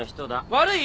悪い！？